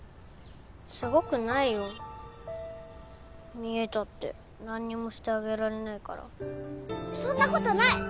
すごくないよ見えたって何にもしてあげられないからそんなことない！